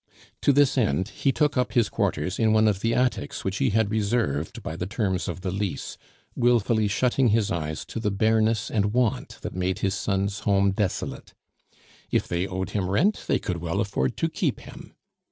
To this end he took up his quarters in one of the attics which he had reserved by the terms of the lease, wilfully shutting his eyes to the bareness and want that made his son's home desolate. If they owed him rent, they could well afford to keep him.